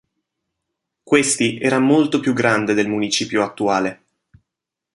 Questi era molto più grande del municipio attuale.